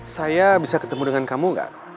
saya bisa ketemu dengan kamu nggak